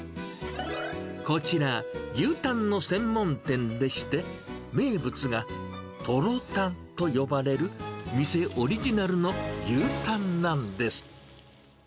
こちら、牛タンの専門店でして、名物がトロたんと呼ばれる、店オリジナルの牛タンなんです。